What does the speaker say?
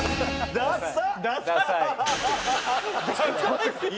ダサい。